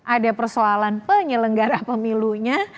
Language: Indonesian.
ada persoalan penyelenggara pemilunya